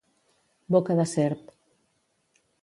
Boca de serp.